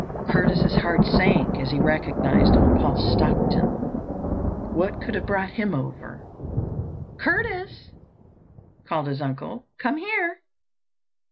Curtis's heart sank as he recognized old Paul Stockton. What could have brought him over? "Curtis," called his uncle, "come here."